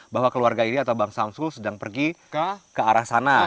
bahwa keluarga ini atau bang samsul sedang pergi ke arah sana